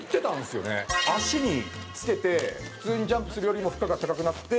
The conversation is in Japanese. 足につけて普通にジャンプするよりも負荷が高くなって。